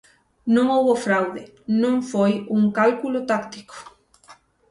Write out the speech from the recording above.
Non houbo fraude, non foi un cálculo táctico.